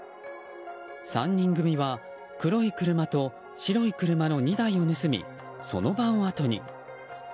３人組は黒い車と白い車の２台を盗みその場をあとに。